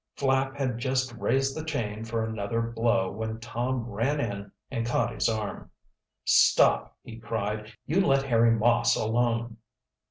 Flapp had just raised the chain for another blow when Tom ran in and caught his arm. "Stop!" he cried. "You let Harry Moss alone!"